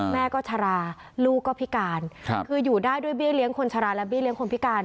แม่ก็ชะลาลูกก็พิการคืออยู่ได้ด้วยเบี้ยเลี้ยงคนชะลาและเบี้เลี้ยคนพิการ